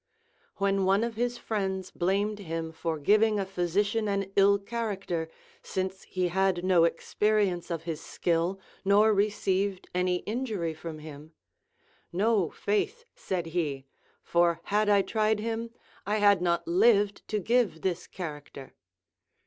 AVhen one of his friends blamed him for giving a physician an ill character, since he had no experience of his skill nor received any injury from him ; No, faith, said he, for had I tried him, I had not lived to give this charac ter.